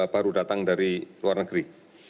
baru datang dari luar negeri